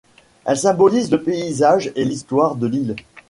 Elles symbolisent le paysage et l'histoire de l'île.